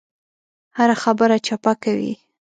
هره خبره چپه کوي.